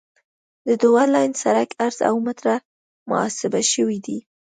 د دوه لاین سرک عرض اوه متره محاسبه شوی دی